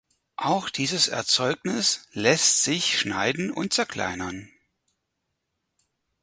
Auch dieses Erzeugnis lässt sich schneiden und zerkleinern.